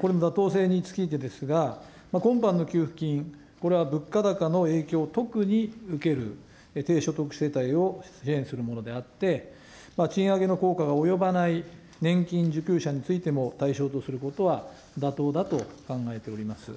これの妥当性についてですが、今般の給付金、これは物価高の影響を特に受ける低所得世帯を支援するものであって、賃上げの効果が及ばない年金受給者についても対象とすることは妥当だと考えております。